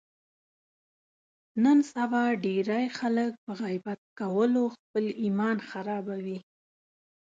نن سبا ډېری خلک په غیبت کولو خپل ایمان خرابوي.